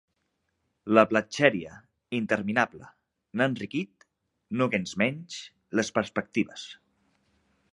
La platxèria, interminable, n'ha enriquit, nogensmenys, les perspectives.